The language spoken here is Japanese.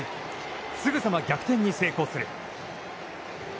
すぐさま逆転に成功する。